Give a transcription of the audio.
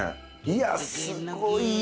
いやすごいよ！